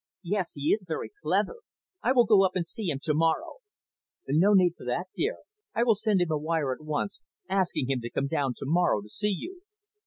"Yes, he is very clever. I will go up and see him to morrow." "No need for that, dear. I will send him a wire at once, asking him to come down to morrow to see you."